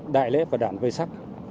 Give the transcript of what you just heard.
đại lễ và đảng vây sắc